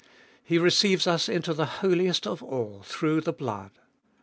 He receives us into the Holiest of All through the blood.